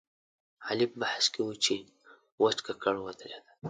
علي په بحث کې وچ ککړ ودرېدل.